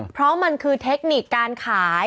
เพราะมันคือเทคนิคการขาย